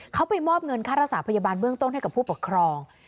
เขาไปมอบเงินค่ารักษาพยาบาลเบื้องต้นให้กับผู้ปกครอง